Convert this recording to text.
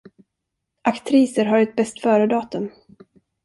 Aktriser har ett bäst föredatum.